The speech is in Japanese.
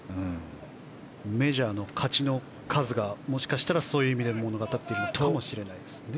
メジャーの勝ちの数がもしかしたらそういう意味で物語っているかもしれないですね。